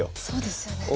そうですよね。